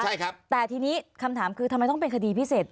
ใช่ครับแต่ทีนี้คำถามคือทำไมต้องเป็นคดีพิเศษ